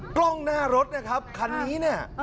กล้องหน้ารถนะครับคันนี้เนี่ย